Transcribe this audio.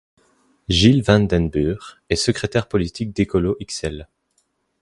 Gilles Vanden Burre est secrétaire politique d'Ecolo Ixelles.